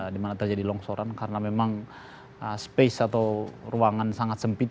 di mana terjadi longsoran karena memang ruangan sangat sempit